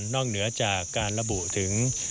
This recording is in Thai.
เหนือจากการระบุถึง